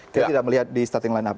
kita tidak melihat di starting line up